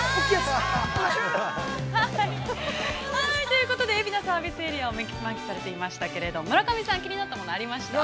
◆ということで、海老名サービスエリアを満喫されていましたけれども村上さん、気になったものはありました？